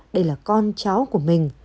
đây là con cháu của mình